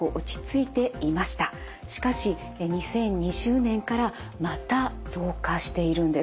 しかし２０２０年からまた増加しているんです。